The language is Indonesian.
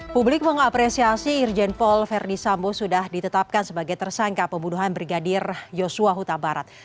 publik mengapresiasi irjen paul ferdisambo sudah ditetapkan sebagai tersangka pembunuhan brigadir joshua huta barat